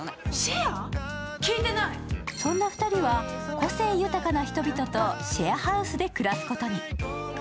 そんな２人は個性豊かな人々とシェアハウスで暮らすことに。